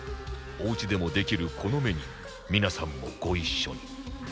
おうちでもできるこのメニュー皆さんもご一緒に